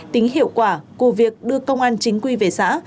tính hiệu quả của việc đưa công an chính quy về xã